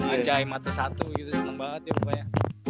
ajaib mata satu gitu seneng banget ya pokoknya